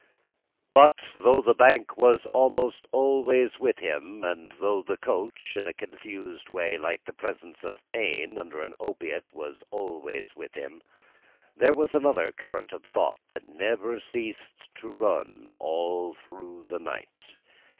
But, though the bank was almost always with him, and though the coach (in a confused way, like the presence of pain under an opiate) was always with him, there was another current of impression that never ceased to run, all through the night.